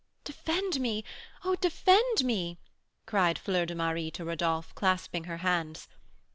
"Defend me! oh, defend me!" cried Fleur de Marie to Rodolph, clasping her hands.